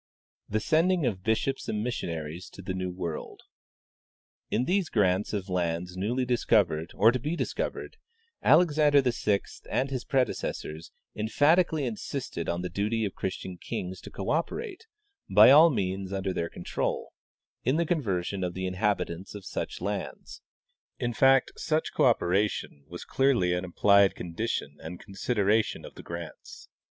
"TAe Sending of Bishops and. Missionaries to the New World. " In these grants of lands newly discovered or to be discovered Alexander VI and his predecessors emphatically insisted on the duty of Christian kings to cooperate, by all means under their control, in the conversion of the inhabitants of such lands; in fact, such cooperation was a clearly implied condition and con sideration of the grants.